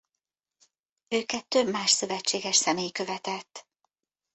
Őket több más szövetséges személy követett.